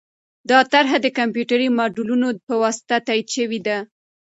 دا طرحه د کمپیوټري ماډلونو په واسطه تایید شوې ده.